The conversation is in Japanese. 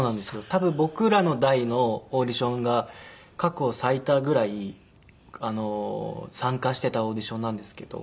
多分僕らの代のオーディションが過去最多ぐらい参加していたオーディションなんですけど。